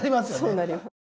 そうなります。